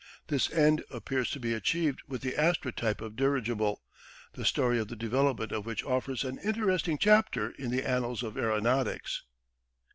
This end appears to be achieved with the Astra type of dirigible, the story of the development of which offers an interesting chapter in the annals of aeronautics.